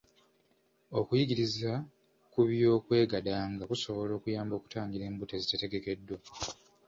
Okuyigiriza ku by'okwegadanga kusobola okuyamba okutangira embuto eziteetegekeddwa.